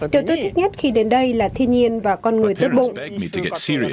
điều tôi thích nhất khi đến đây là thiên nhiên và con người tốt bụng